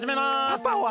パパは？